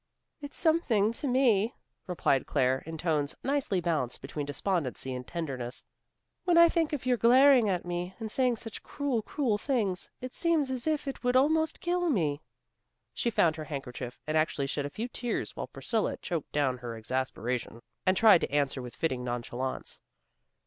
"It's something to me," replied Claire, in tones nicely balanced between despondency and tenderness. "When I think of your glaring at me and saying such cruel, cruel things, it seems as if it would almost kill me." She found her handkerchief, and actually shed a few tears, while Priscilla choked down her exasperation, and tried to answer with fitting nonchalance.